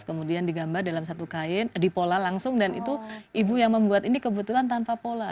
kemudian digambar dalam satu kain dipola langsung dan itu ibu yang membuat ini kebetulan tanpa pola